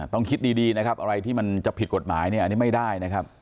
ต้องคิดดีนะครับอะไรที่มันจะผิดกฎหมายเนี่ยอันนี้ไม่ได้นะครับ